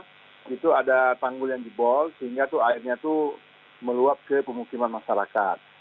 di aceh utara itu ada tanggul yang dibol sehingga airnya itu meluap ke pemukiman masyarakat